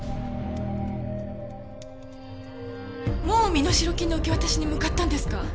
もう身代金の受け渡しに向かったんですか？